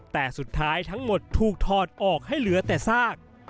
แต่สุดท้ายทั้งหมดถูกถอดออกให้เหลือแต่ซาก